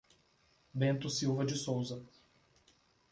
Bento Silva de Souza